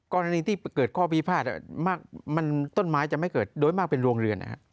กรณีที่เกิดข้อพิพาทต้นไม้จะไม่เกิดโดยมากเป็นโรงเรือน